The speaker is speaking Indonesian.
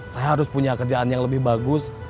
saya harus punya kerjaan yang lebih bagus